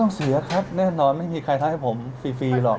อ๋อต้องเสียครับแน่นอนไม่มีใครทำให้ผมฟรีหรอก